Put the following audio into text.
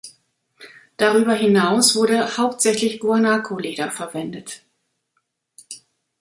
Darüber hinaus wurde hauptsächlich Guanako-Leder verwendet.